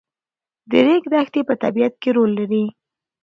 د ریګ دښتې په طبیعت کې رول لري.